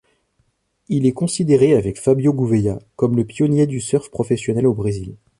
Il est considéré avec Fábio Gouveia comme le pionnier du surf professionnel au Brésil.